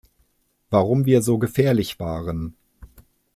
Warum wir so gefährlich waren.